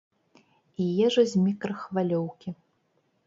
І ежа з мікрахвалёўкі.